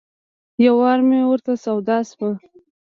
یو وار مې ورته سودا شوه.